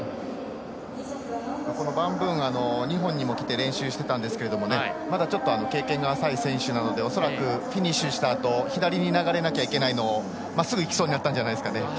バン・ブンは日本にも来て練習してたんですけどちょっと経験が浅い選手なので恐らく、フィニッシュしたあと左に流れなきゃいけないのをまっすぐいきそうになったんじゃないですかね。